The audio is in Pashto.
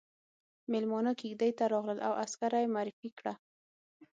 ميلمانه کېږدۍ ته راغلل او عسکره يې معرفي کړه.